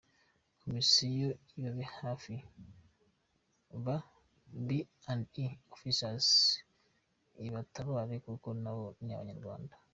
Komisiyo ibabe hafi ba M&E Officers ibatabare kuko nabo ni abanyarwanda.